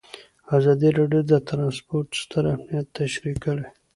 ازادي راډیو د ترانسپورټ ستر اهميت تشریح کړی.